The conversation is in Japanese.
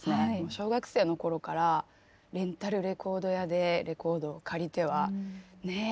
小学生の頃からレンタルレコード屋でレコードを借りてはねえ